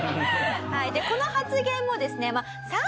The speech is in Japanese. この発言もですね